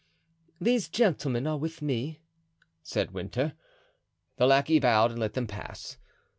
"These gentlemen are with me," said Winter. The lackey bowed and let them pass.